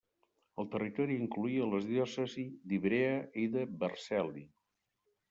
El territori incloïa les diòcesis d'Ivrea i de Vercelli.